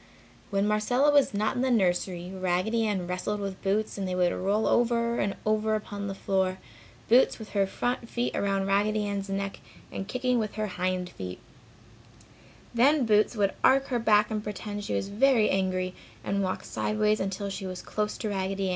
When Marcella was not in the nursery, Raggedy Ann wrestled with Boots and they would roll over and over upon the floor, Boots with her front feet around Raggedy Ann's neck and kicking with her hind feet. Then Boots would arch her back and pretend she was very angry and walk sideways until she was close to Raggedy.